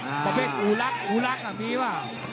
ประเภทอูรักอูรักอ่ะมีว่ะ